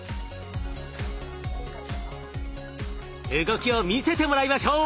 動きを見せてもらいましょう。